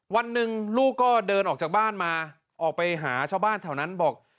วันหนึ่งลูกก็เดินออกจากบ้านมาออกไปหาชาวบ้านแถวนั้นบอก